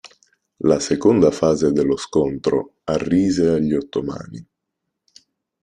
La seconda fase dello scontro arrise agli ottomani.